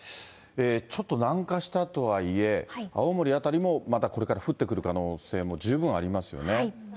ちょっと南下したとはいえ、青森辺りもまたこれから降ってくる可能性も十分ありますよね。